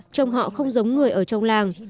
trông họ không giống người ở trong làng